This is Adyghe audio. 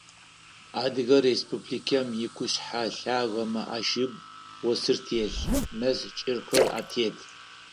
Адыгэ Республикэм икъушъхьэ лъагэмэ ашыгу осыр телъ, мэз кӏырхэр атет.